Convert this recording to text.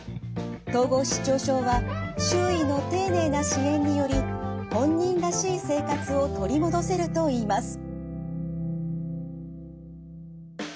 統合失調症は周囲の丁寧な支援により本人らしい生活を取り戻せるといいます。